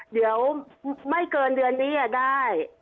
เดี๋ยวไม่เกินเดือนนี้ได้